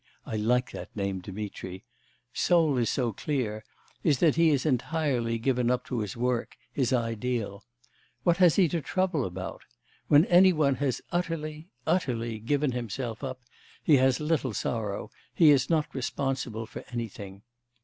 I like that name Dmitri) soul is so clear, is that he is entirely given up to his work, his ideal. What has he to trouble about? When any one has utterly... utterly... given himself up, he has little sorrow, he is not responsible for anything.